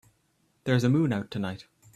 There's a moon out tonight.